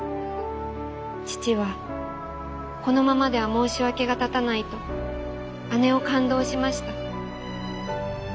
父はこのままでは申し訳が立たないと姉を勘当しました。